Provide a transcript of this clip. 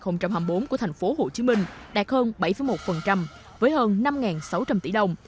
năm hai nghìn hai mươi bốn của tp hcm đạt hơn bảy một với hơn năm sáu trăm linh tỷ đồng